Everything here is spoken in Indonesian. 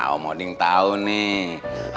om odin tahu nih